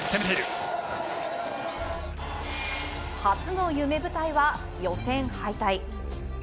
初の夢舞台は予選敗退。